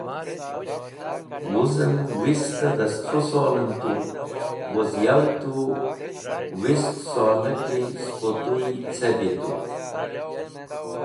Wuzem wist-e dhastru solen tu, woz yaw tu wist sola ki spo tuy ce vitu.